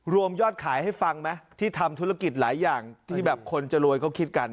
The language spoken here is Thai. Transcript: ยอดขายให้ฟังไหมที่ทำธุรกิจหลายอย่างที่แบบคนจะรวยเขาคิดกัน